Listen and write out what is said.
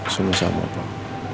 semuanya sama pak